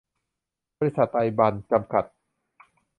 บริษัท ไตรบรรพ จำกัด